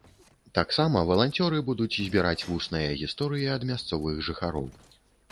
Таксама валанцёры будуць збіраць вусныя гісторыі ад мясцовых жыхароў.